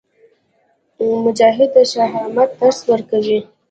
مجاهد د شهامت درس ورکوي.